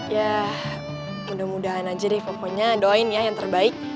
ya mudah mudahan aja deh pokoknya doin ya yang terbaik